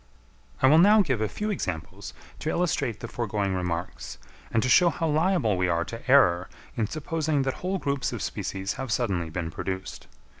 I will now give a few examples to illustrate the foregoing remarks, and to show how liable we are to error in supposing that whole groups of species have suddenly been produced.